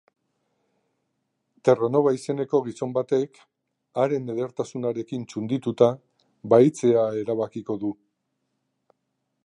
Terranova izeneko gizon batek, haren edertasunarekin txundituta, bahitzea erabakiko du.